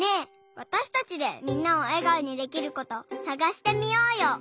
わたしたちでみんなをえがおにできることさがしてみようよ。